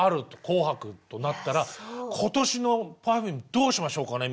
「紅白」となったら今年のＰｅｒｆｕｍｅどうしましょうかね？